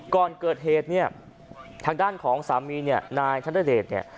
ก่อนเกิดเหตุเนี้ยทางด้านของสามีเนี้ยนายท่านเตอร์เดทเนี้ย